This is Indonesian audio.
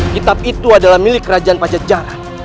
kitab itu adalah milik kerajaan pajajaran